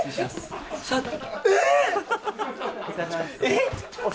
えっ！